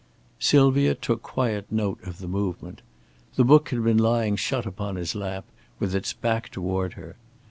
Sylvia took quiet note of the movement. The book had been lying shut upon his lap, with its back toward her.